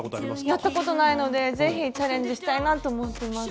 やったことないので是非チャレンジしたいなと思ってます。